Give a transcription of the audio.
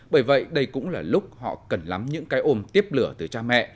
bởi vậy đây cũng là lúc họ cần lắm những cái ôm tiếp lửa từ cha mẹ